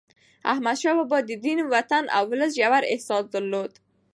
احمدشاه بابا د دین، وطن او ولس ژور احساس درلود.